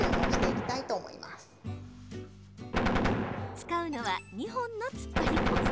使うのは２本のつっぱり棒。